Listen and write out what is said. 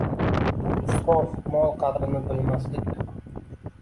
Bu isrof, mol qadrini bilmaslikdur